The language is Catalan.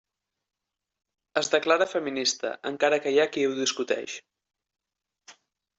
Es declara feminista, encara que hi ha que ho discuteix.